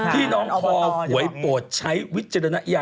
ที่น้องคอหวยโปรดใช้วิจารณญาณ